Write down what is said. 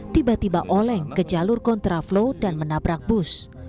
tiba tiba oleng ke jalur kontraflow dan menabrak bus